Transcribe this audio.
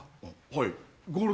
はい。